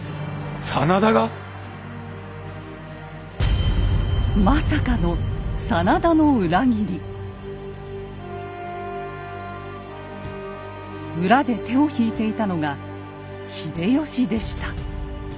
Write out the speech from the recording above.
真田が⁉まさかの裏で手を引いていたのが秀吉でした。